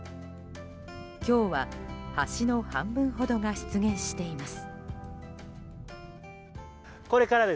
今日は橋の半分ほどが出現しています。